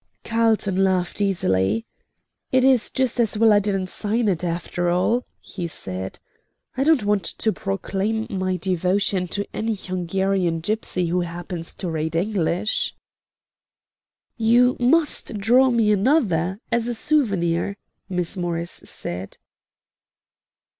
Carlton laughed easily. "It is just as well I didn't sign it, after all," he said. "I don't want to proclaim my devotion to any Hungarian gypsy who happens to read English." "You must draw me another, as a souvenir," Miss Morris said.